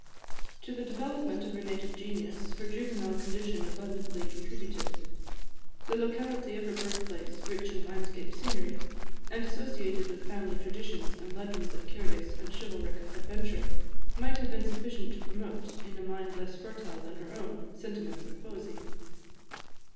To the development of her native genius, her juvenile condition abundantly contributed: the locality of her birthplace, rich in landscape scenery, and associated with family traditions and legends of curious and chivalric adventure, might have been sufficient to promote, in a mind less fertile than her own, sentiments of poesy.